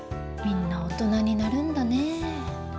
みんな大人になるんだね。